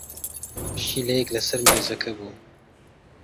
پشیلەیەک لەسەر مێزەکە بوو.